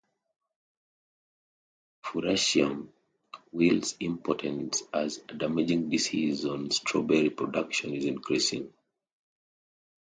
Fusarium wilt's importance as a damaging disease on strawberry production is increasing.